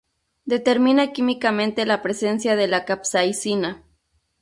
Determina químicamente la presencia de la capsaicina.